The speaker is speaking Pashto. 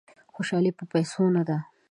خوشالي په پیسو نه ده.